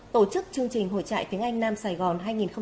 tổ chức chương trình hội trại tiếng anh nam sài gòn hai nghìn một mươi năm